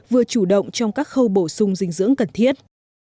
vừa chủ động trong các khâu bổ sung dinh dưỡng cần thiết